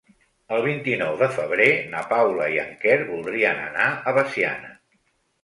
El vint-i-nou de febrer na Paula i en Quer voldrien anar a Veciana.